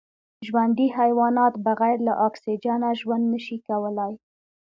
ژوندي حیوانات بغیر له اکسېجنه ژوند نشي کولای